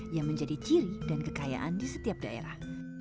yang menjadi ciri dan kekayaan di setiap daerah